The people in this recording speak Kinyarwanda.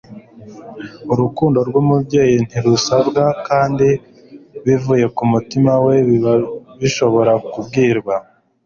urukundo rwumubyeyi ntirusabwa, kandi bivuye kumutima we ibi birashobora kubwirwa